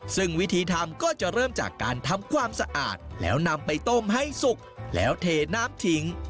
ซึ่งวิธีทำก็จะเริ่มจากการทำความสะอาดแล้วนำไปต้มให้สุกแล้วเทน้ำทิ้ง